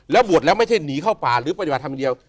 แล้วบวชแล้วไม่ใช่หนีเข้าป่าหรือปฏิบัติธรรมอย่างเดียว